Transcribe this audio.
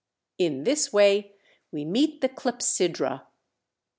In this way we meet the clepsydra.